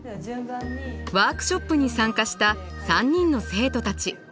ワークショップに参加した３人の生徒たち。